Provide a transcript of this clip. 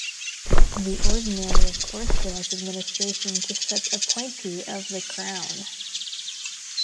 The ordinary of course grants administration to such appointee of the crown.